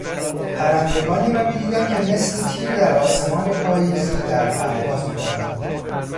پرندگانی را میدیدم که مثل تیر در آسمان پاییزی در پرواز بودند.